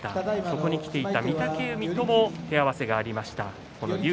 そこに見ていた御嶽海との手合わせがありました竜